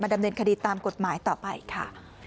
ดำเนินคดีตามกฎหมายต่อไปค่ะ